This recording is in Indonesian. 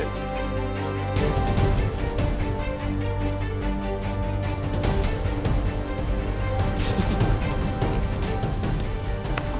aneh ya inteh